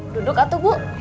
duduk atuh bu